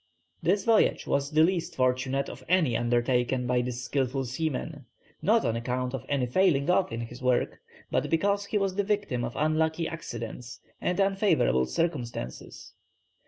This voyage was the least fortunate of any undertaken by this skilful seaman, not on account of any falling off in his work, but because he was the victim of unlucky accidents and unfavourable circumstances.